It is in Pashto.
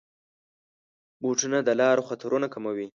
بوټونه د لارو خطرونه کموي.